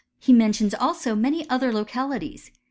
He mentions also many other localities.